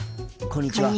こんにちは。